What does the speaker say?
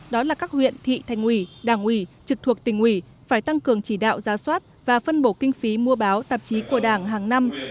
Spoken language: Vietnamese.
đó là các huyện thị thành ủy đảng ủy trực thuộc tỉnh ủy phải tăng cường chỉ đạo giá soát và phân bổ kinh phí mua báo tạp chí của đảng hàng năm